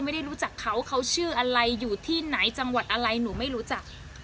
ไม่ได้รู้จักเขาเขาชื่ออะไรอยู่ที่ไหนจังหวัดอะไรหนูไม่รู้จัก